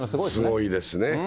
すごいですね。